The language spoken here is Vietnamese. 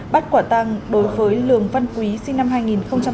bắt quả tăng đối với lường văn quý sinh năm hai nghìn